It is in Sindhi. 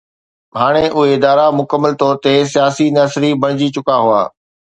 هاڻي اهي ادارا مڪمل طور تي سياسي نرسري بڻجي چڪا هئا.